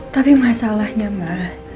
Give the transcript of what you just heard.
tapi masalahnya ma